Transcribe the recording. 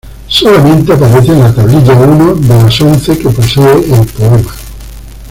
Solamente aparece en la Tablilla I de las once que posee el Poema.